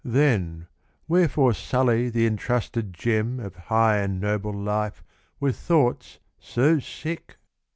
Then wherefore sully the entrusted gem Of high and noble life with thoughts so sick?